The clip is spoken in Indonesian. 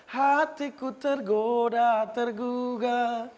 hatiku tergoda terguga